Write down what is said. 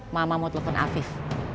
mama mau telepon afif